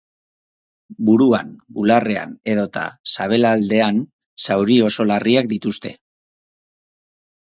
Buruan, bularrean edota sabelaldean zauri oso larriak dituzte.